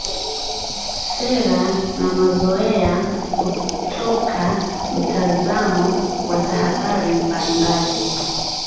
sera na mazoea kutoka mtazamo wa tahadhari mbalimbali